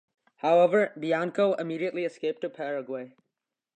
However, Bianco immediately escaped to Paraguay.